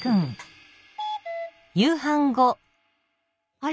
あれ？